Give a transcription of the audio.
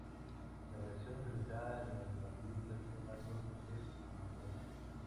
La versión utilizada en la película tiene más golpes de amapola.